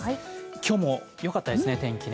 今日もよかったですね、天気。